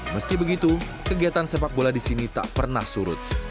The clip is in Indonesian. meski begitu kegiatan sepak bola di sini tak pernah surut